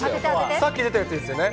さっき出たやつですよね。